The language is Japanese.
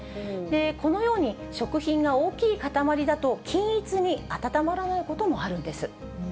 このように食品が大きい塊だと、均一に温まらないこともあるんです。